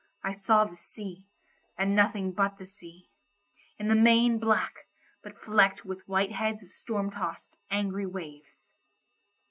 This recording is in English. I saw the sea, and nothing but the sea; in the main black, but flecked with white heads of storm tossed, angry waves.